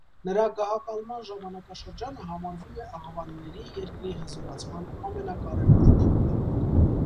Նրա գահակալման ժամանակաշրջանը համարվում է աղվանների երկրի հզորացման ամենակարևոր փուլը։